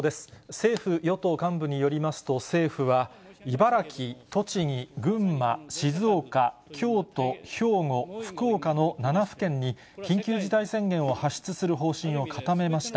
政府・与党幹部によりますと、政府は、茨城、栃木、群馬、静岡、京都、兵庫、福岡の７府県に、緊急事態宣言を発出する方針を固めました。